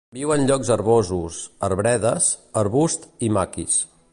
Viu en llocs herbosos, arbredes, arbust i maquis.